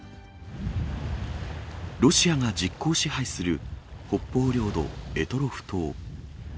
ロシアが実効支配する北方領土、択捉島。